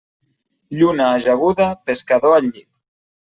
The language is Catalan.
Lluna ajaguda, pescador al llit.